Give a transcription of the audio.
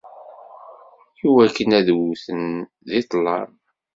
Iwakken ad wten di ṭṭlam.